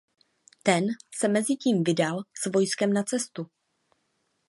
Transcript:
Ten se mezitím vydal s vojskem na cestu.